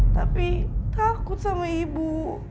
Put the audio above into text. tapi takut sama ibu